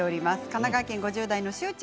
神奈川県５０代の方